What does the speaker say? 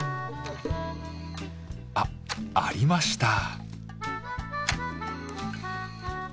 あっありました。